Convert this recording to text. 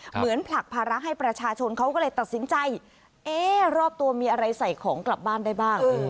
ผลักภาระให้ประชาชนเขาก็เลยตัดสินใจเอ๊ะรอบตัวมีอะไรใส่ของกลับบ้านได้บ้าง